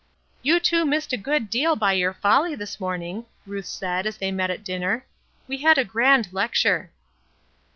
"You two missed a good deal by your folly this morning," Ruth said, as they met at dinner. "We had a grand lecture."